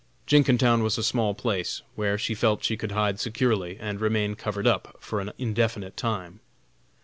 Jenkintown was a small place, where she felt she could hide securely, and remain covered up for an indefinite time.